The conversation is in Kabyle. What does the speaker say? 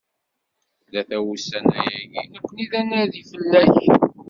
Tlata wussan-ayagi, nekni d anadi fell-ak.